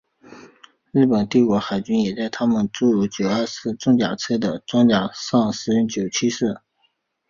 日本帝国海军也在他们诸如九二式重装甲车的装甲车辆上使用九七式。